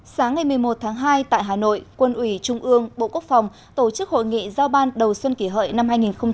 sáng ngày một mươi một tháng hai tại hà nội quân ủy trung ương bộ quốc phòng tổ chức hội nghị giao ban đầu xuân kỷ hợi năm hai nghìn một mươi chín